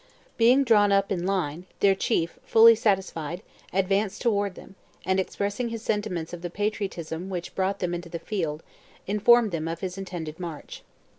Being drawn up in line, their chief, fully satisfied, advanced toward them, and expressing his sentiments of the patriotism which brought them into the field, informed them of his intended march.